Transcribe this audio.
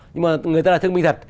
nhưng mà người ta là thương binh thật